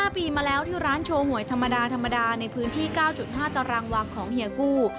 ๕ปีมาแล้วที่ร้านโชว์หวยธรรมดาธรรมดาในพื้นที่๙๕ตารางวังของเฮียกู้